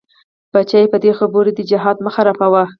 بچيه په دې خبرو دې جهاد مه خرابوه.